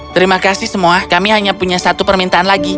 terima kasih semua kami hanya punya satu permintaan lagi